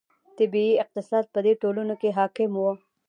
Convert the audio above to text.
طبیعي اقتصاد په دې ټولنو کې حاکم و.